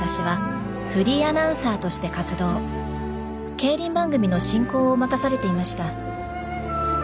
競輪番組の進行を任されていました。